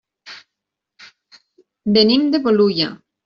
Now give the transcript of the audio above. Venim de Bolulla.